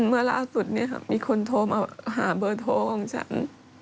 เมื่อล่าสุดมีคนโทรมาหาเบอร์โทรของฉัน